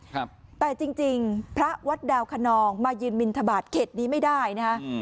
แต่จริงพระวัดดาวคนองมายืนบินทบาทเขตนี้ไม่ได้นะฮะ